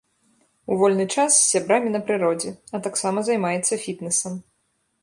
У вольны час з сябрамі на прыродзе, а таксама займаецца фітнэсам.